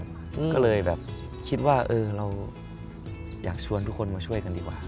ก็เลยแบบคิดว่าเออเราอยากชวนทุกคนมาช่วยกันดีกว่า